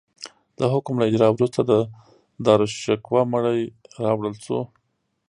د حکم له اجرا وروسته د داراشکوه مړی راوړل شو.